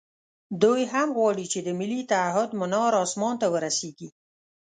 دوی هم غواړي چې د ملي تعهُد منار اسمان ته ورسېږي.